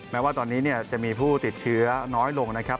แม้ว่าตอนนี้จะมีผู้ติดเชื้อน้อยลงนะครับ